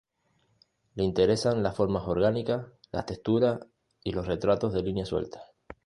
Le interesan las formas orgánicas, las texturas y los retratos de línea suelta.